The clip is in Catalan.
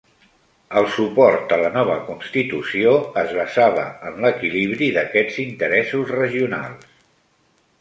El suport a la nova constitució es basava en l'equilibri d'aquests interessos regionals.